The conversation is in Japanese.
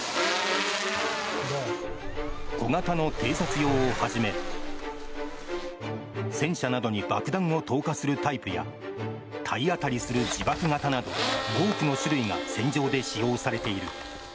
小型の偵察用をはじめ戦車などに爆弾を投下するタイプや体当たりする自爆型など多くの種類が戦場で使用されている。